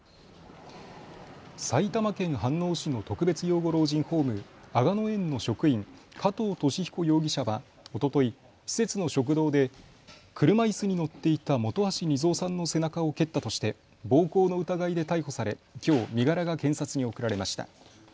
埼玉県飯能市の特別養護老人ホーム、吾野園の職員、加藤肇彦容疑者はおととい施設の食堂で車いすに乗っていた元橋二三さんの背中を蹴ったとして暴行の疑いで逮捕されきょう身柄が検察に送られました。